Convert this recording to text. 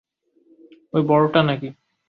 ঐ বড় টা নাকি?